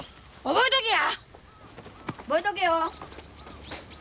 覚えとけよ。